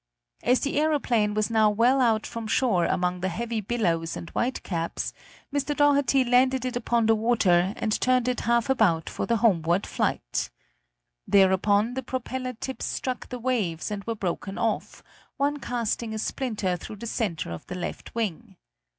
As the aeroplane was now well out from shore among the heavy billows and white caps, Mr. Doherty landed it upon the water and turned it half about for the homeward flight. Thereupon the propeller tips struck the waves and were broken off, one casting a splinter through the center of the left wing.